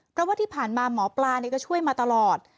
เพราะว่าที่ผ่านมาหมอปลาก็ช่วยมาตลอด